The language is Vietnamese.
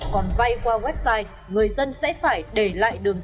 còn vay qua website người dân sẽ phải để lại đường dây